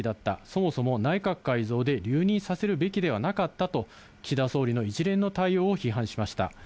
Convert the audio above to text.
そもそも内閣改造で留任させるべきではなかったと、岸田総理の一連の対応を批判しました。